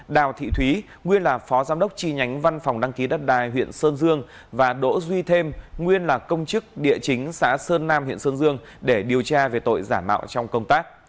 đào thị thúy nguyên là phó giám đốc chi nhánh văn phòng đăng ký đất đai huyện sơn dương và đỗ duy thêm nguyên là công chức địa chính xã sơn nam huyện sơn dương để điều tra về tội giả mạo trong công tác